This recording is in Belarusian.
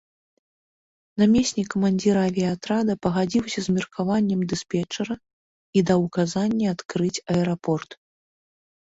Намеснік камандзіра авіяатрада пагадзіўся з меркаваннем дыспетчара і даў указанне адкрыць аэрапорт.